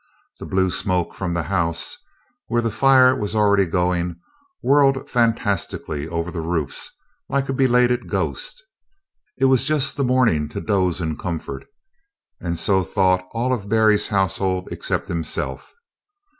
The blue smoke from the "house," where the fire was already going, whirled fantastically over the roofs like a belated ghost. It was just the morning to doze in comfort, and so thought all of Berry's household except himself.